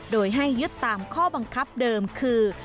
โดยให้ยึดตามข้อบังคับเดิมคือ